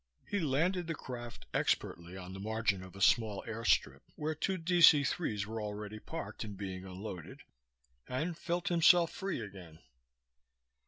He landed the craft expertly on the margin of a small airstrip, where two DC 3s were already parked and being unloaded, and felt himself free again.